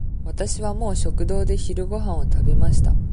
わたしはもう食堂で昼ごはんを食べました。